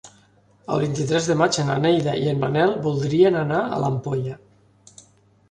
El vint-i-tres de maig na Neida i en Manel voldrien anar a l'Ampolla.